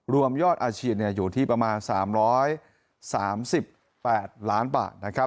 รวมยอดอาชีพอยู่ที่ประมาณ๓๓๘ล้านบาทนะครับ